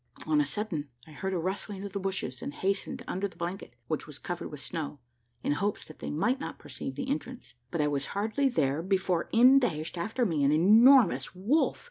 On a sudden, I heard a rustling of the bushes, and hastened under the blanket, which was covered with snow, in hopes that they might not perceive the entrance; but I was hardly there before in dashed after me an enormous wolf.